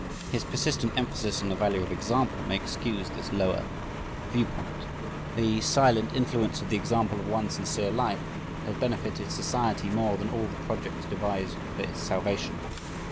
His persistent emphasis on the value of "example" may excuse this lower viewpoint. "The silent influence of the example of one sincere life ... has benefited society more than all the projects devised for its salvation."